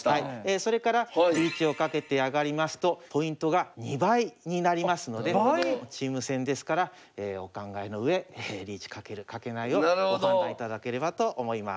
それからリーチをかけてアガりますとポイントが２倍になりますのでチーム戦ですからお考えの上リーチかけるかけないをご判断いただければと思います。